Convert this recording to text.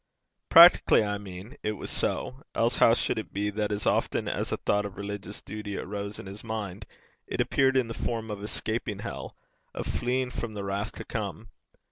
Practically, I mean, it was so; else how should it be that as often as a thought of religious duty arose in his mind, it appeared in the form of escaping hell, of fleeing from the wrath to come?